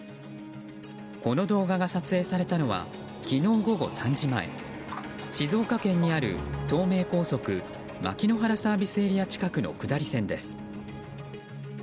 この動画が撮影されたのは昨日午後３時前静岡県にある東名高速牧之原ＳＡ付近の下り線です。